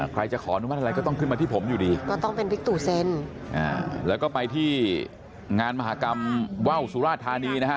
ใครจะขอเรื่องอะไรก็ต้องขึ้นมาที่ผมอยู่ดีแล้วก็ไปที่งานมหากรรมว่าวสุราภานีนะคะ